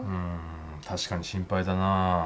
確かに心配だな。